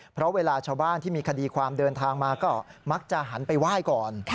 เพราะเวลาชาวบ้านที่มีคดีความเดินทางมาก็มักจะหันไปไหว้ก่อน